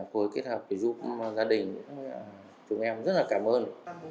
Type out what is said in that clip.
cô kết hợp giúp gia đình chúng em rất là cảm ơn